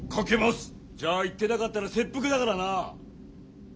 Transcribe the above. じゃあ言ってなかったら切腹だからな！